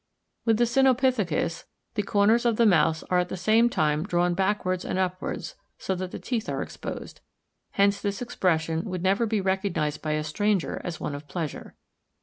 With the Cynopithecus (fig. 17), the corners of the mouth are at the same time drawn backwards and upwards, so that the teeth are exposed. Hence this expression would never be recognized by a stranger as one of pleasure.